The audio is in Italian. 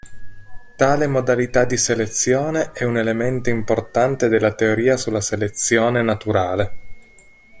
Tale modalità di selezione è un elemento importante della teoria sulla selezione naturale.